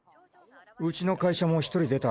うちの会社も１人出た。